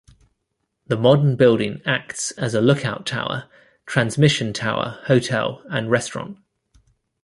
The modern building acts as a lookout tower, transmission tower, hotel and restaurant.